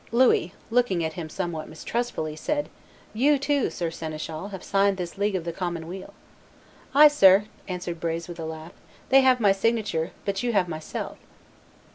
Louis, looking at him somewhat mistrustfully, said, "You, too, Sir Seneschal, have signed this League of the Common Weal." "Ay, sir," answered Brez, with a laugh, "they have my signature, but you have myself."